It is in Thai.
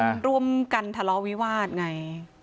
มันร่วมกันทะเลาะวิวาสไง